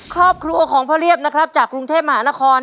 ครอบครัวของพ่อเรียบนะครับจากกรุงเทพมหานคร